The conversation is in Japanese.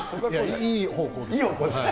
いい方向ですね。